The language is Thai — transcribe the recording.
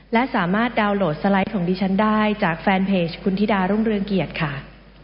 และสามารถดาวน์โหลดสไลด์ของดิฉันได้จากแฟนเพจคุณธิดารุ่งเรืองเกียรติค่ะ